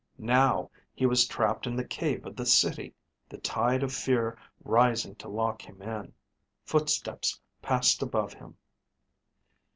Now he was trapped in the cave of the city, the tide of fear rising to lock him in. Footsteps passed above him.